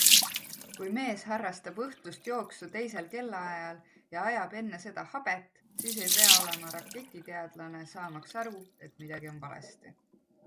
Kui mees harrastab õhtust jooksu teisel kellaajal ja ajab enne seda habet, siis ei pea sa olema raketiteadlane, saamaks aru, et midagi on valesti.